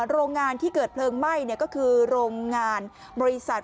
โรงงานที่เกิดเพลิงไหม้ก็คือโรงงานบริษัท